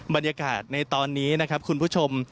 บรรยากาศในตอนนี้นะครับคุณผู้ชม